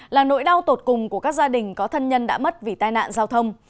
là nỗi đau tột cùng của các gia đình có thân nhân đã mất vì tai nạn giao thông